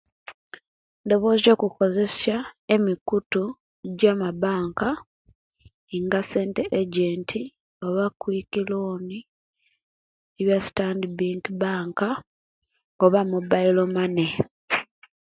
Ndomoza okukozesia emikutu ja mabanka nga sente ejent oba kwiki loni ya Stanbick bank oba mobailo mane